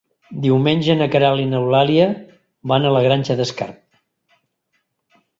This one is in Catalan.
Diumenge na Queralt i n'Eulàlia van a la Granja d'Escarp.